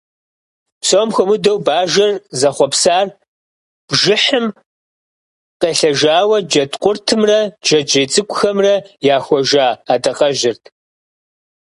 Псом хуэмыдэу бажэр зэхъуэпсар бжыхьым къелъэжауэ джэдкъуртымрэ джэджьей цӀыкӀухэмрэ яхуэжэ адакъэжьырт.